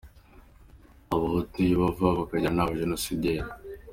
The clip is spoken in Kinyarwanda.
Abahutu iyo bava bakagera ni abajenosideri